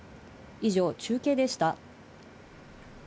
以上、中継でした。